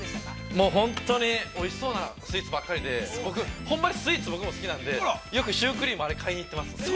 ◆もう本当においしそうなスイーツばっかりで僕、ほんまにスイーツ、好きなんで、シュークリーム、買いに行ってます。